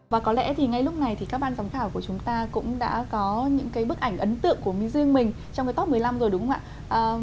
và có lẽ thì ngay lúc này thì các ban giám khảo của chúng ta cũng đã có những cái bức ảnh ấn tượng của riêng mình trong cái top một mươi năm rồi đúng không ạ